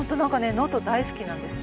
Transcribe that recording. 能登、大好きなんです。